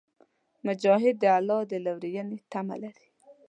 مجاهد د الله د لورینې تمه لري.